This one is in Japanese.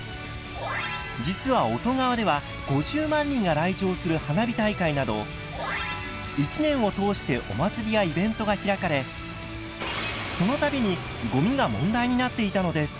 実は乙川では５０万人が来場する花火大会など一年を通してお祭りやイベントが開かれその度にごみが問題になっていたのです。